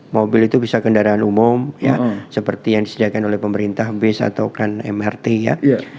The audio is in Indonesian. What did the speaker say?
mobil itu bisa kendaraan umum ya seperti yang disediakan oleh pemerintah bus atau kan mrt ya